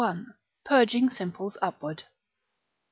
—Purging Simples upward.